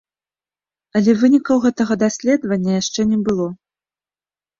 Але вынікаў гэтага даследавання яшчэ не было.